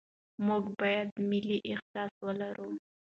موږ باید ملي احساس ولرو.